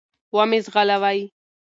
و مي ځغلوی .